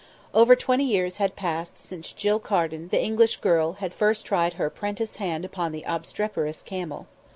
Over twenty years had passed since Jill Carden, the English girl, had first tried her 'prentice hand upon the obstreperous camel.